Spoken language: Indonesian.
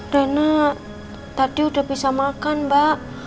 dona tadi udah bisa makan mbak